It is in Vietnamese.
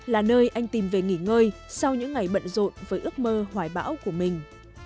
là nơi anh tìm về nghỉ ngơi sau những ngày bận rộn với ước mơ hoài bão của mình